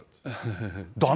だめ。